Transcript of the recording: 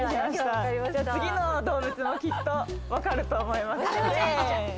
次の動物も、きっと分かると思います。